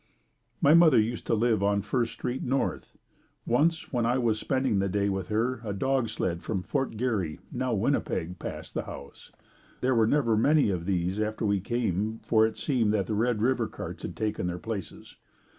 My mother used to live on First Street North. Once when I was spending the day with her a dog sled from Fort Garry, now Winnipeg, passed the house. There were never many of these after we came for it seemed that the Red River carts had taken their places.